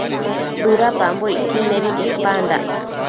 bëdapambocquid nebi quepandac